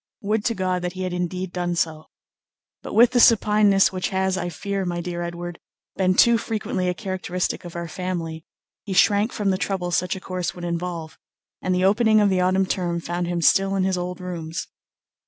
Would to God that he had indeed done so! but with the supineness which has, I fear, my dear Edward, been too frequently a characteristic of our family, he shrank from the trouble such a course would involve, and the opening of the autumn term found him still in his old rooms.